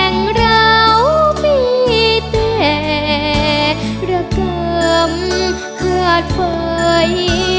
ของด้วยกันสำคัญ